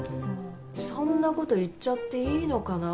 そんな事言っちゃっていいのかな？